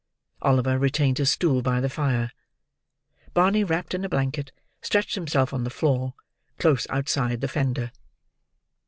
Oliver retained his stool by the fire; Barney wrapped in a blanket, stretched himself on the floor: close outside the fender.